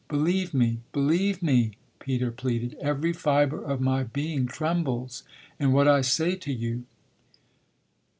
Believe me, believe me," Peter pleaded; "every fibre of my being trembles in what I say to you."